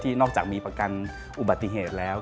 นอกจากมีประกันอุบัติเหตุแล้ว